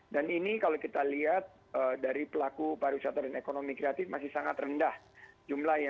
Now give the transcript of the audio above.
dan ini kalau kita lihat dari pelaku para wisata dan ekonomi kreatif masih sangat rendah jumlah yang ada